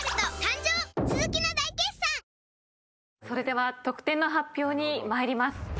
それでは得点の発表に参ります。